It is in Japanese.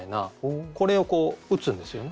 これをこう打つんですよね？